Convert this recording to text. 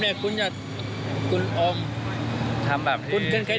เดี๋ยวขอคุณเอาแบบ